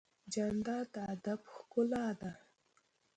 جانداد د ادب ښکلا ده.